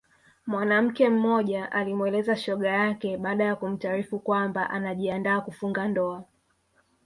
Mwanamke mmoja alimweleza shoga yake baada ya kumtaarifu kwamba anajiandaa kufunga ndoa